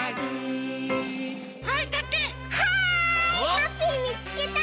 ハッピーみつけた！